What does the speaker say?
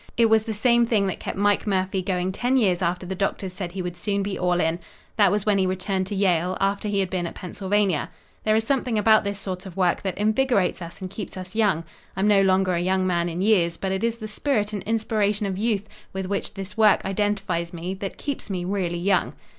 "It was the same thing that kept Mike Murphy going ten years after the doctors said he would soon be all in. That was when he returned to Yale, after he had been at Pennsylvania. There is something about this sort of work that invigorates us and keeps us young. I'm no longer a young man in years, but it is the spirit and inspiration of youth with which this work identifies me that keeps me really young."